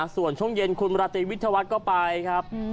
ส่วนช่วงเย็นคุณบราตรีวิทยาวัฒน์ก็ไปครับ